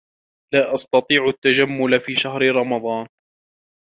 لا أستطيع التّجمّل في شهر رمضان.